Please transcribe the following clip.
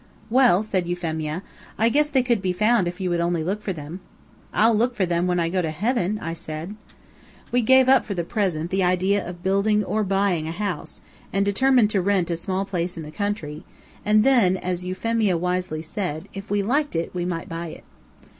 "Well," said Euphemia, "I guess they could be found if you would only look for them." "I'll look for them, when I go to heaven," I said. We gave up for the present, the idea of building or buying a house, and determined to rent a small place in the country, and then, as Euphemia wisely said, if we liked it, we might buy it.